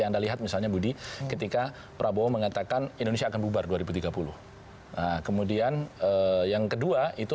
anda lihat misalnya budi ketika prabowo mengatakan indonesia akan bubar dua ribu tiga puluh kemudian yang kedua itu